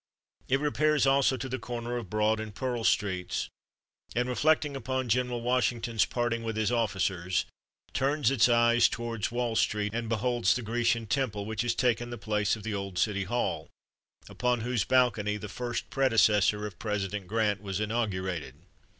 It repairs, also, to the corner of Broad and Pearl streets, and, reflecting upon General Washington's parting with his officers, turns its eyes towards Wall Street, and beholds the Grecian temple which has taken the place of the old City Hall, upon whose balcony the first predecessor of President Grant was inaugurated.